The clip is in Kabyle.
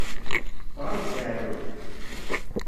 Teffeɣ-am-d teεrurt.